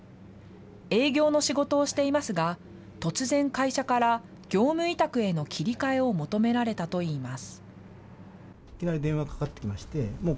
営業の仕事をしていますが、突然、会社から業務委託への切り替えを求められたといいます。